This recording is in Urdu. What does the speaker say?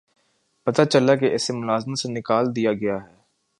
پتہ چلا کہ اسے ملازمت سے نکال دیا گیا ہے